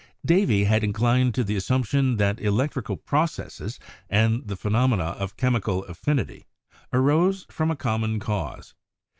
Davy had inclined to the assumption that electrical processes and the phenomena of chemical affinity arose from a common cause.